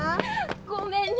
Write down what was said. ごめんね。